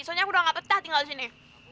soalnya aku udah gak petah tinggal disini